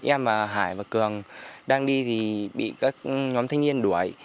em là hải và cường đang đi thì bị các nhóm thanh niên đuổi